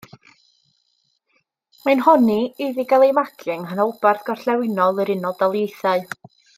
Mae'n honni iddi gael ei magu yng nghanolbarth gorllewinol yr Unol Daleithiau.